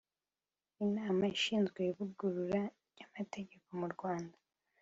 Inama ishinzwe Ivugurura ry’Amategeko mu Rwanda